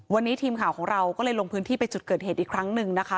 วันนี้ทีมข่าวของเราก็เลยลงพื้นที่ไปจุดเกิดเหตุอีกครั้งหนึ่งนะคะ